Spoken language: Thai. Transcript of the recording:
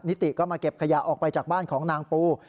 ติก็มาเก็บขยะออกไปจากบ้านของนางปู